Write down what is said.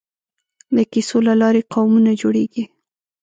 د کیسو له لارې قومونه جوړېږي.